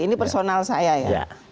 ini personal saya ya